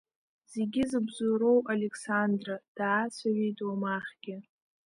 Зегьы зыбзоуроу Алеқсандра, даацәажәеит Уамахьгьы.